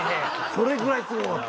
それぐらいすごかった。